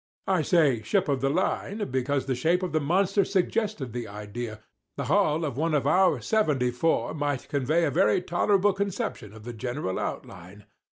I say ship of the line, because the shape of the monster suggested the idea—the hull of one of our seventy four might convey a very tolerable conception of the general outline.